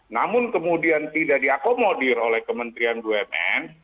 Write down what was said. namun kemudian tidak diakomodir oleh kementerian bumn